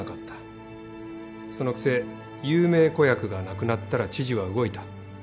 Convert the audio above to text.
そのくせ有名子役が亡くなったら知事は動いた。